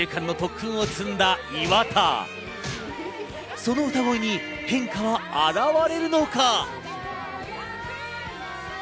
その歌声に変化は表れるのか？